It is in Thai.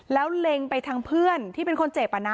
แล้วเล็งไปทางเพื่อนที่เป็นคนเจ็บ